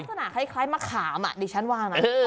ลักษณะคล้ายมะขามดิฉันว่านะ